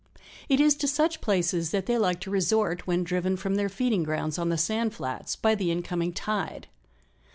It is to such places that they like to resort when driven from their feeding grounds on the sand flats by the incoming tide.